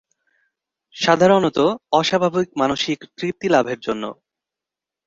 সাধারণত অস্বাভাবিক মানসিক তৃপ্তি লাভের জন্য।